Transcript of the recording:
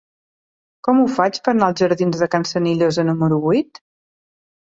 Com ho faig per anar als jardins de Can Senillosa número vuit?